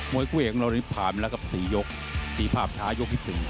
มวยกุ้ยของเรานี่ผ่านไปแล้วกับสี่ยกสีภาพช้ายกที่สิบ